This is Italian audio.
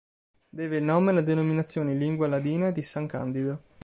Deve il nome alla denominazione in lingua ladina di San Candido.